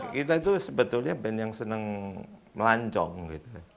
kita itu sebetulnya band yang senang melancong gitu